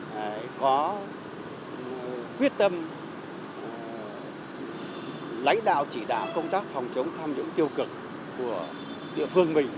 nó quyết tâm lãnh đạo chỉ đạo công tác phòng chống tham nhũng tiêu cực của địa phương mình